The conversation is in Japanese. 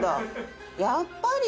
やっぱり？